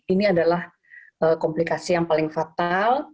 ini adalah komplikasi yang paling fatal